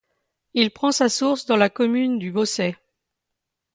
Il prend sa source dans la commune du Beausset.